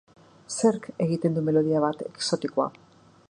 Zerk egiten du melodia bat exotiko?